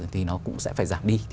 thì nó cũng sẽ phải giảm đi